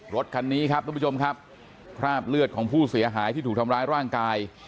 รถคันนี้ครับทุกผู้ชมครับคราบเลือดของผู้เสียหายที่ถูกทำร้ายร่างกาย